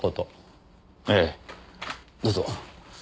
どうぞ。